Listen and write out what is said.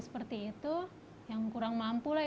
seperti itu yang kurang mampu lah